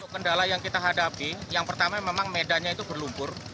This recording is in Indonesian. kendala yang kita hadapi yang pertama memang medannya itu berlumpur